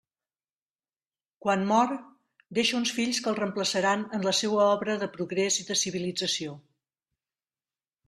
Quan mor, deixa uns fills que el reemplaçaran en la seua obra de progrés i de civilització.